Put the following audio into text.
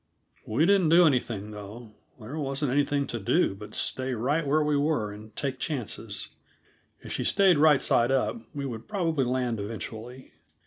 We didn't do anything, though; there wasn't anything to do but stay right where we were and take chances. If she stayed right side up we would probably land eventually.